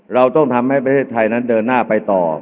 เราต้องทำให้ประเทศไทยนั้นเดินหน้าไปต่อ